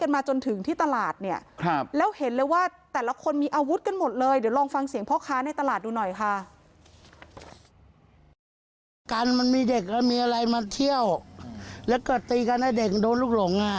มาเที่ยวแล้วก็ตีกันให้เด็กโดนลูกหลง